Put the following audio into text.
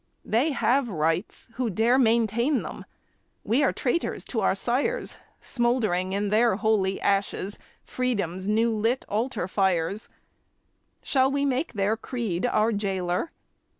They have rights who dare maintain them; we are traitors to our sires, Smothering in their holy ashes Freedom's new lit altar fires; Shall we make their creed our jailer?